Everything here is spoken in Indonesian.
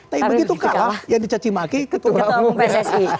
tapi begitu kalah yang dicacimaki ketua umum pssi